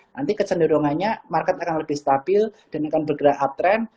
nanti kecenderungannya market akan lebih stabil dan akan bergerak uptrend